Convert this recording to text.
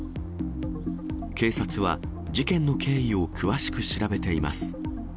警察は事件の経緯を詳しく調べています。